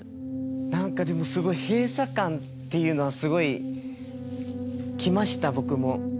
何かでもすごい閉鎖感っていうのはすごい来ました僕も。